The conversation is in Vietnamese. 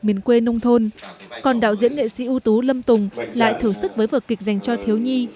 miền quê nông thôn còn đạo diễn nghệ sĩ ưu tú lâm tùng lại thử sức với vợ kịch dành cho thiếu nhi